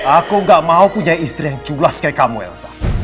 aku gak mau punya istri yang cublas kayak kamu elsa